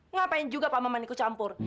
ngapain juga pak maman ikut campur